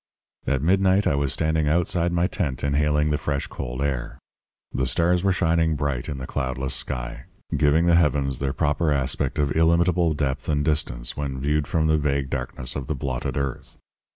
"At midnight I was standing outside my tent inhaling the fresh cold air. The stars were shining bright in the cloudless sky, giving the heavens their proper aspect of illimitable depth and distance when viewed from the vague darkness of the blotted earth.